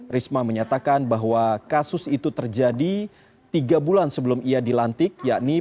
risma menyatakan bahwa kasus itu terjadi tiga bulan sebelum ia dilantik